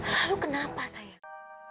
lalu kenapa sayang